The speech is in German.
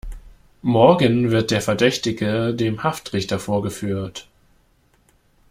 Morgen wird der Verdächtige dem Haftrichter vorgeführt.